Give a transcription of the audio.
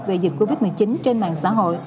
về dịch covid một mươi chín trên mạng xã hội